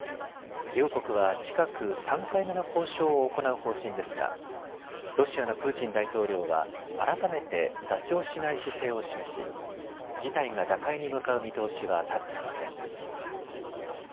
両国は近く３回目の交渉を行う方針ですがロシアのプーチン大統領は改めて妥協しない姿勢を示し事態が打開に向かう見通しは立っていません。